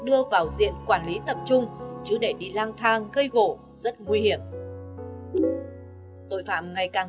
đưa vào diện quản lý tập trung chứ để đi lang thang gây gỗ rất nguy hiểm tội phạm ngày càng